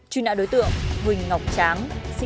thông tin đối tượng họ tên bố huỳnh tâm họ tên mẹ đặng thị trước